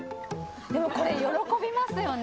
でもこれ喜びますよね。